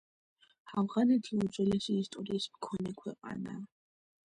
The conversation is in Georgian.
ავღანეთი უძველესი ისტორიის მქონე ქვეყანაა.